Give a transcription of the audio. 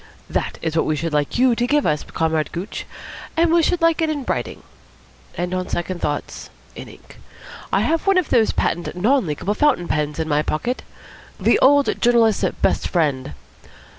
That is what we should like you to give us, Comrade Gooch. And we should like it in writing. And, on second thoughts, in ink. I have one of those patent non leakable fountain pens in my pocket. The Old Journalist's Best Friend.